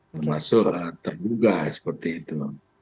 termasuk terduga seperti itu